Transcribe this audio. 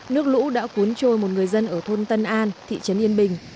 nước lũ đã cuốn trôi một người dân ở thôn tân an thị trấn yên bình